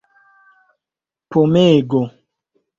pomego